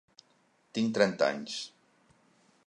Tinc trenta anys.